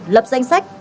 lập danh sách